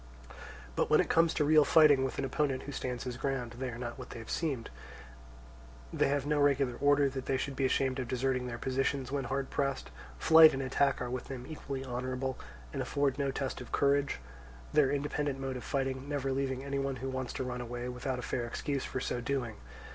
But when it comes to real fighting with an opponent who stands his ground, they are not what they seemed; they have no regular order that they should be ashamed of deserting their positions when hard pressed; flight and attack are with them equally honourable, and afford no test of courage; their independent mode of fighting never leaving any one who wants to run away without a fair excuse for so doing.